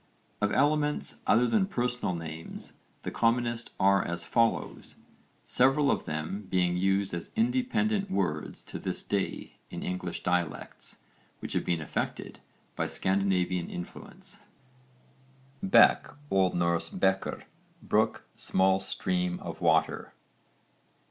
Of elements other than personal names the commonest are as follows, several of them being used as independent words to this day in English dialects which have been affected by Scandinavian influence: BECK. O.N. bekkr, brook, small stream of water.